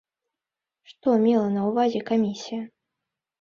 Што мела на ўвазе камісія?